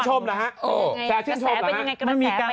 แชร์ชื่นชมหรอฮะ